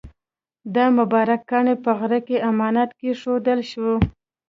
دا مبارک کاڼی په غره کې امانت کېښودل شو.